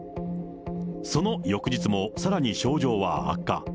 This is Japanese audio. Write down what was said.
その翌日もさらに症状は悪化。